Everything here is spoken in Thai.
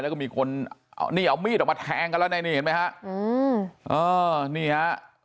แล้วก็มีคนเอานี่เอามีดออกมาแทงกันแล้วในนี่เห็นไหมฮะอืมเออนี่ฮะ